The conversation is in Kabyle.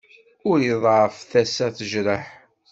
Ul iḍɛef tasa tejreḥ.